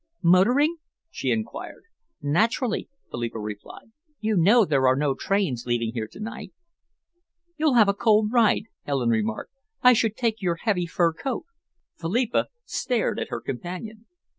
"Motoring?" she enquired. "Naturally," Philippa replied. "You know there are no trains leaving here to night." "You'll have a cold ride," Helen remarked. "I should take your heavy fur coat." Philippa stared at her companion.